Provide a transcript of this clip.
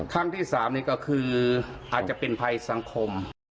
ครั้งที่๓นี่ก็คืออาจจะเป็นภัยสังคม